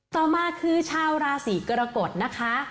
ต่อมาคือชาวราศีกรกฎนะคะ